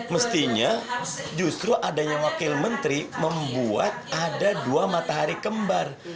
mestinya justru adanya wakil menteri membuat ada dua matahari kembar